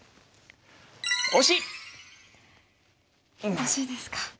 惜しいですか。